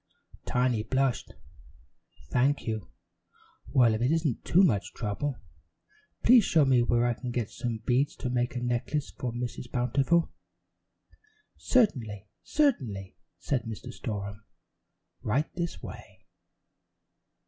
Tiny blushed. "Thank you. Well, if it isn't too much trouble, please show me where I can get some beads to make a necklace for Mrs. Bountiful." "Certainly, certainly," said Mr. Storem. "Right this way."